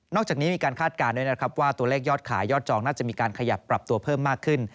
จากนี้มีการคาดการณ์ด้วยนะครับว่าตัวเลขยอดขายยอดจองน่าจะมีการขยับปรับตัวเพิ่มมากขึ้น